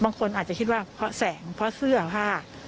บางคนอาจจะคิดว่าเพราะแสงเพราะเสื้อผ้า